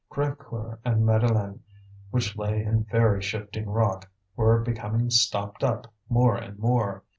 Crévecoeur and Madeleine, which lay in very shifting rock, were becoming stopped up more and more.